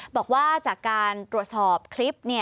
บอกว่าจากการตรวจสอบคลิป